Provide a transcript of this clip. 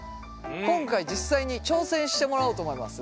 今回実際に挑戦してもらおうと思います。